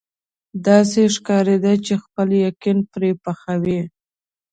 داسې ښکارېده چې خپل یقین پرې پخوي.